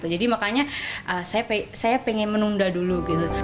jadi makanya saya pengen menunda dulu